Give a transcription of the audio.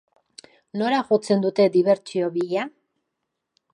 Nora jotzen dute dibertsio bila?